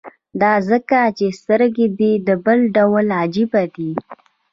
دا ځکه چې سترګې دې بل ډول او عجيبه دي.